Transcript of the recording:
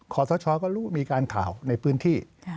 ขอสชก็รู้มีการข่าวในพื้นที่